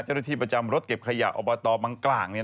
เจ้าหน้าที่ประจำรถเก็บขยะอบตบังกลาง